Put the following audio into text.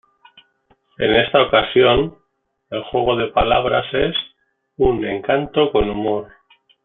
En esta ocasión, el juego de palabras es "Un Encanto Con Humor".